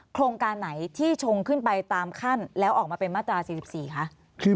โครงการไหนที่ชงขึ้นไปตามขั้นแล้วออกมาเป็นมาตรา๔๔คะ